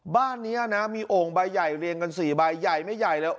บ้านนี้นะมีโอ่งใบใหญ่เรียงกัน๔ใบใหญ่ไม่ใหญ่เลย